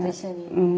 うん。